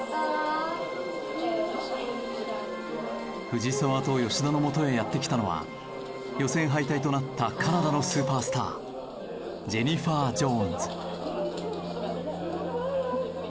藤澤と吉田のもとへやって来たのは予選敗退となったカナダのスーパースタージェニファー・ジョーンズ。